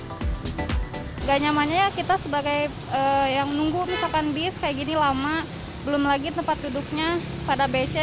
tidak nyamannya ya kita sebagai yang nunggu misalkan bis kayak gini lama belum lagi tempat duduknya pada becek